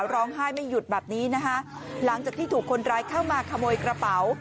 ร้องไห้ไม่หยุดแบบนี้นะคะหลังจากที่ถูกคนร้ายเข้ามาขโมยกระเป๋า